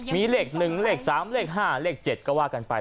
มีเลข๑เลข๓เลข๕เลข๗ก็ว่ากันไป